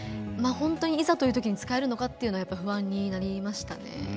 本当にいざというときに使えるのかっていうのは不安になりましたね。